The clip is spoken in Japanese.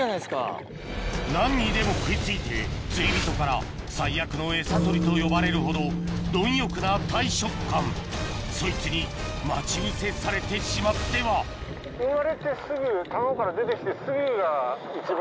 何にでも食い付いて釣り人から「最悪のエサ取り」と呼ばれるほど貪欲な大食漢そいつに待ち伏せされてしまってはうわ。